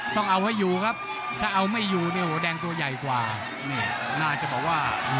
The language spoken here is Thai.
ต้องเอาให้อยู่ครับถ้าเอาไม่อยู่เนี่ยโหแดงตัวใหญ่กว่านี่น่าจะบอกว่า